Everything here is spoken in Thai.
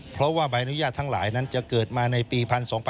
เพราะว่าใบอนุญาตทั้งหลายนั้นจะเกิดมาในปี๑๒๘